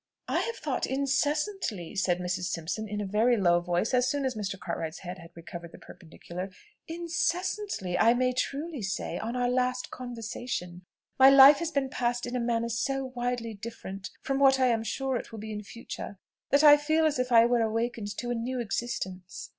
"I have thought incessantly," said Mrs. Simpson, in a very low voice, as soon as Mr. Cartwright's head had recovered the perpendicular, "incessantly, I may truly say, on our last conversation. My life has been passed in a manner so widely different from what I am sure it will be in future, that I feel as if I were awakened to a new existence!"